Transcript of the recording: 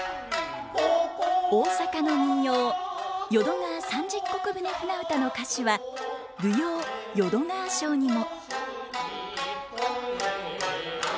大阪の民謡「淀川三十石船舟唄」の歌詞は舞踊「淀川抄」にも。